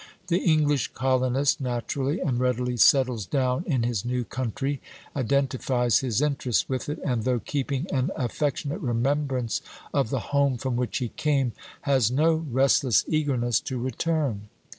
The English colonist naturally and readily settles down in his new country, identifies his interest with it, and though keeping an affectionate remembrance of the home from which he came, has no restless eagerness to return.